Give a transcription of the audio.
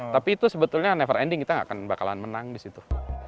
tapi itu sebetulnya never ending kita gak akan bakalan menang di situ